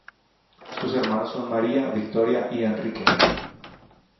Sus hermanos son María Victoria y Enrique.